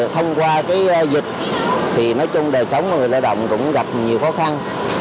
thông qua dịch thì nói chung đời sống người lao động cũng gặp nhiều khó khăn